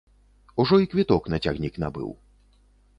Ужо і квіток на цягнік набыў.